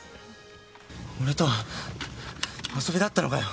俺とは遊びだったのかよ。